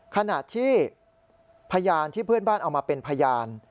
ขณะที่พยานที่เพื่อนบ้านเอามาเป็นพยาน